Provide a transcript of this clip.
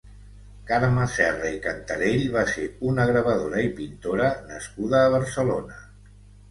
Carme Serra i Cantarell va ser una gravadora i pintora nascuda a Barcelona.